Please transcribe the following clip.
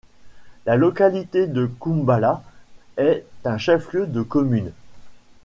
La localité de Koumbala est un chef-lieu de commune.